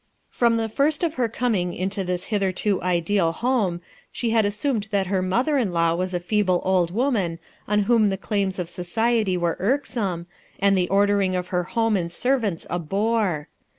From the first of her coming into this hitherto ideal home she had assumed that her mother in law was a feeble old woman on whom the claims of society were irksome, and the ordering of her home and servants a bore.